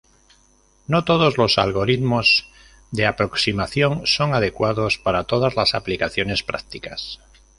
No todos los algoritmos de aproximación son adecuados para todas las aplicaciones prácticas.